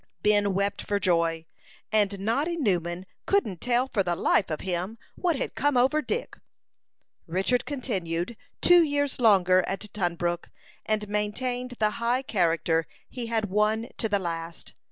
Ben wept for joy, and Noddy Newman "couldn't tell, for the life of him, what had come over Dick." Richard continued two years longer at Tunbrook, and maintained the high character he had won to the last.